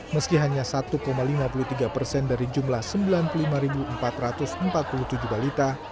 meski hanya satu lima puluh tiga persen dari jumlah sembilan puluh lima empat ratus empat puluh tujuh balita